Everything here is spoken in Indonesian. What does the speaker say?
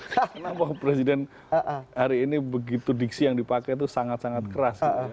karena waktu presiden hari ini begitu diksi yang dipakai itu sangat sangat keras